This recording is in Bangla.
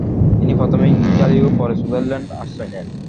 তিনি প্রথমে ইটালি ও পরে সুইজারল্যান্ডে আশ্রয় নেন।